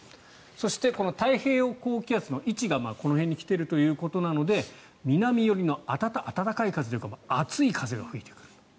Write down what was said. そしてこの太平洋高気圧の位置がこの辺に来ているということなので南寄りの暖かい風というか熱い風が吹いてくる。